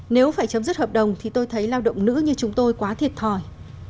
nếu phải chấm dứt hợp đồng thì tôi thấy lao động nữ như chúng tôi quá thiệt thòi